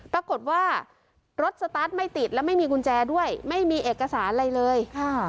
ปรากฏว่ารถสตาร์ทไม่ติดแล้วไม่มีกุญแจด้วยไม่มีเอกสารอะไรเลย